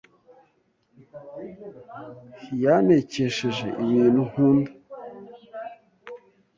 Yantekesheje ibintu nkunda.